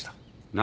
何？